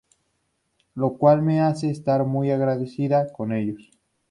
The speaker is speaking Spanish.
Lo cual me hace estar muy agradecida con ellos.